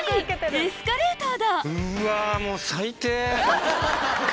エスカレーター！